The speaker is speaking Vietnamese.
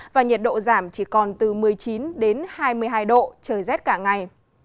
và nhiệt độ giảm chỉ còn từ một mươi chín đến hai mươi hai độ trời rét cả ngày